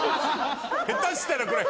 下手したらこれ。